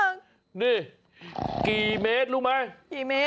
นี่กี่เมตรรู้ไหม